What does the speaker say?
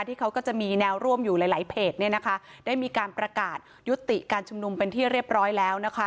ที่เขาก็จะมีแนวร่วมอยู่หลายหลายเพจเนี่ยนะคะได้มีการประกาศยุติการชุมนุมเป็นที่เรียบร้อยแล้วนะคะ